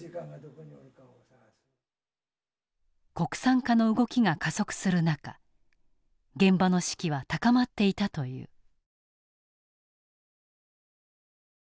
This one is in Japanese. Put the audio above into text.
国産化の動きが加速する中現場の士気は高まっていたという。